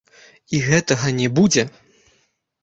І гэтага не будзе!